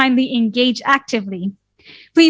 dan berkomunikasi dengan baik